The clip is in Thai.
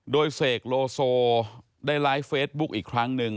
โดยเสกโลโซได้ไลฟ์เฟซบุ๊คอีกครั้งหนึ่ง